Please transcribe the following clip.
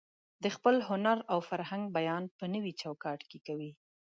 د خپل هنر او فرهنګ بیان په نوي چوکاټ کې کوي.